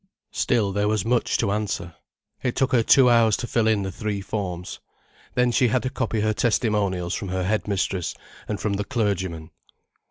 Still there was much to answer. It took her two hours to fill in the three forms. Then she had to copy her testimonials from her head mistress and from the clergyman.